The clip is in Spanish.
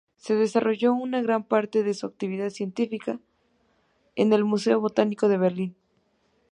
Desarrolló gran parte de su actividad científica en el Museo Botánico de Berlín.